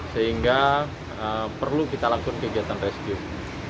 sehingga perlu kita lakukan kegiatan rescue